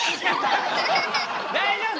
大丈夫！